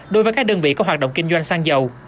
đối với các đơn vị có hoạt động kinh doanh xăng dầu